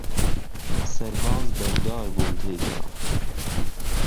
سەرباز بەشدار بوون تێیدا